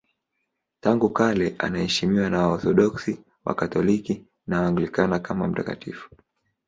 Tangu kale anaheshimiwa na Waorthodoksi, Wakatoliki na Waanglikana kama mtakatifu.